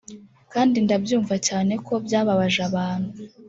kandi ndabyumva cyane ko byababaje abantu